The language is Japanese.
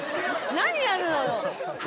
何やるのよ。